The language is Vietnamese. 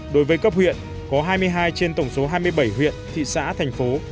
đối với cấp huyện có hai mươi hai trên tổng số hai mươi bảy huyện thị xã thành phố